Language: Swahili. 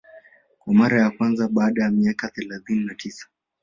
kwa mara ya kwanza baada ya miaka thelathini na tisa